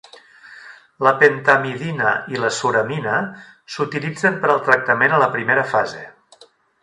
La pentamidina i la suramina s"utilitzen per al tractament a la primera fase.